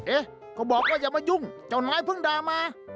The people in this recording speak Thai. เอ๊ะก็บอกว่าอย่ามายุ่งเจ้านายเพิ่งด่ามา